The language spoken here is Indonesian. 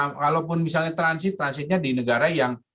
kalaupun misalnya transit transitnya di negara yang